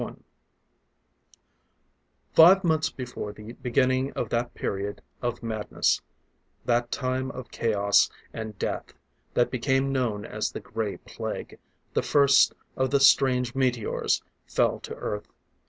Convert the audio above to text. _] CHAPTER I Five months before the beginning of that period of madness, that time of chaos and death that became known as the Gray Plague, the first of the strange meteors fell to Earth.